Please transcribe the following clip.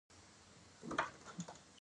دا د منځنیو پیړیو ادبیات خپروي.